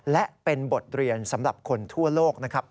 และเป็นบทเรียนสำหรับคนทั่วโลกนะครับ